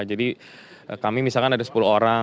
jadi kami misalkan ada sepuluh orang